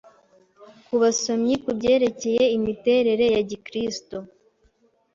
ku basomyi ku byerekeye imiterere ya giKristo